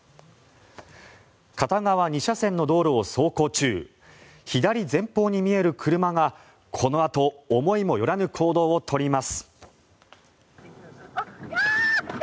片側２車線の道路を走行中左前方に見える車がこのあと思いもよらない行動を取ります。